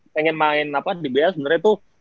pengen main dbl sebenernya tuh